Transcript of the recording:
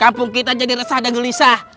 kampung kita jadi resah dan gelisah